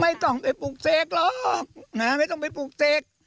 ไม่ต้องไปปลูกเสกหรอกนะไม่ต้องไปปลูกเสก